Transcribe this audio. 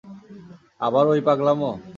আবার ঐ পাগলামো?